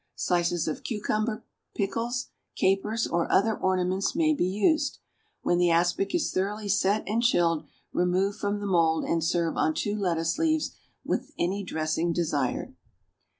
Slices of cucumber pickles, capers, or other ornaments, may be used. When the aspic is thoroughly set and chilled, remove from the mould and serve on two lettuce leaves, with any dressing desired.